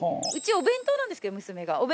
うちお弁当なんですけど娘が。